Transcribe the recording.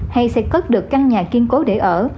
hay sẽ cất được căn nhà kiên cố để ở